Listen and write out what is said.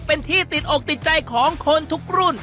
เป็นที่ติดอกติดใจของคนทุกรุ่น